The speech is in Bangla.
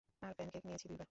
আর প্যানকেক নিয়েছি দুইবার।